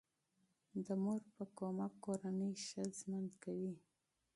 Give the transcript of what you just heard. د مور په مرسته کورنی ژوند ښه کیږي.